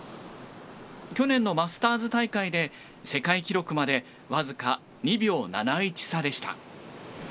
去年のマスターズ大会で世界記録まで僅か２秒７１差でした。